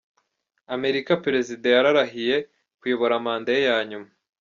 Amerika Perezida yarahiriye kuyobora manda ye ya nyuma